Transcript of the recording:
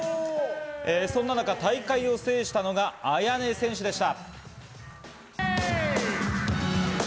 そんな中、大会を制したのは、ＡＹＡＮＥ選手でした。